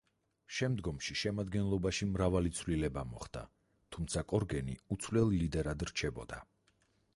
შემდგომში შემადგენლობაში მრავალი ცვლილება მოხდა, თუმცა კორგენი უცვლელ ლიდერად რჩებოდა.